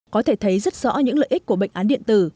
có thể thấy rất rõ những lợi ích của bệnh án điện tử